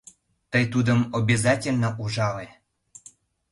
Тый тудым обязательно ужале.